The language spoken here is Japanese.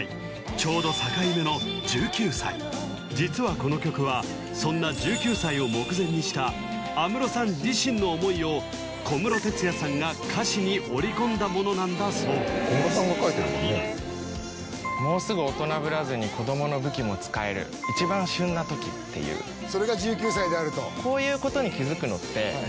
ちょうど境目の１９歳実はこの曲はそんな１９歳を目前にした安室さん自身の思いを小室哲哉さんが歌詞に織り込んだものなんだそうフレーズだと思うんですけどあーなるほどホントですよね